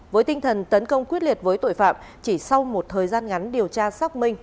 với tinh thần tấn công quyết liệt với tội phạm chỉ sau một thời gian ngắn điều tra xác minh